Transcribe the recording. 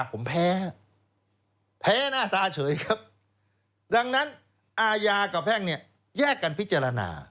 ผมแพ้แพ้หน้าตาเฉยครับดังนั้นอาญากับแพ่งเนี่ยแยกกันพิจารณา